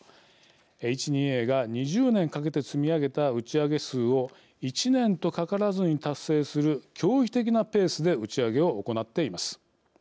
Ｈ２Ａが２０年かけて積み上げた打ち上げ数を１年とかからずに達成する驚異的なペースで打ち上げを行っています。